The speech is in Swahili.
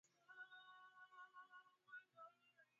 ni miongoni mwa miji yenye hewa chafu ulimwenguni